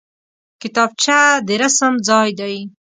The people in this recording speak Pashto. کتابچه د رسم ځای دی